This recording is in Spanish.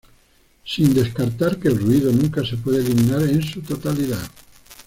Sin descartar que el ruido nunca se puede eliminar en su totalidad.